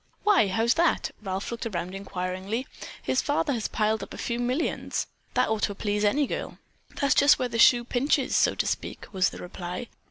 "Why, how's that?" Ralph looked around inquiringly. "His father has piled up a few millions. That ought to please any girl." "That's just where the shoe pinches, so to speak," was the reply.